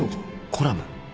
コラム？